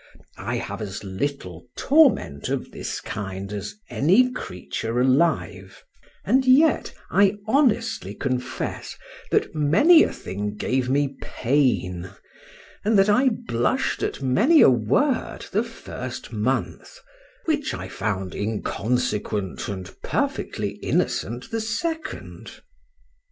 —I have as little torment of this kind as any creature alive; and yet I honestly confess, that many a thing gave me pain, and that I blush'd at many a word the first month,—which I found inconsequent and perfectly innocent the second.